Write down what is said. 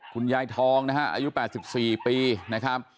คุณยายทองนะฮะอายุ๘๔ปีนะครับ